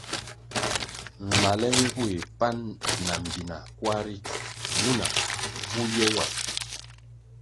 Nlale ngueh pan ma mbpina kwar ritu nwuna vu ye wa.